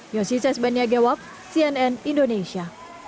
yosi sesbenyagewab cnn indonesia